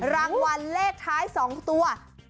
รางวัลเลขท้าย๒ตัว